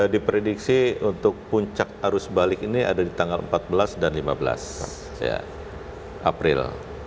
diprediksi untuk puncak arus balik ini ada di tanggal empat belas dan lima belas april